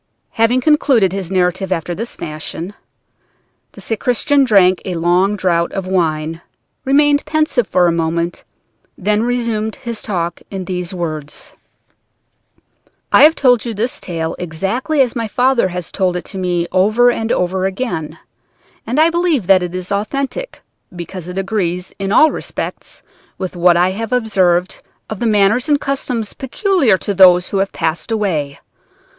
Having concluded his narrative after this fashion, the sacristan drank a long draught of wine, remained pensive for a moment, and then resumed his talk in these words: "I have told you this tale exactly as my father has told it to me over and over again, and I believe that it is authentic, because it agrees in all respects with what I have observed of the manners and customs peculiar to those who have passed away.